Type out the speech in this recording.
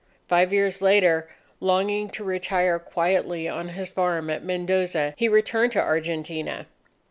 Five years later, longing to retire quietly on his farm at Mendoza, he returned to Argentina.